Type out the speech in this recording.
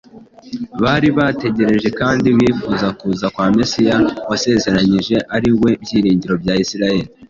Bari bategereje kandi bifuza kuza kwa Mesiya wasezeranyijwe ari we byiringiro bya Isirayeli.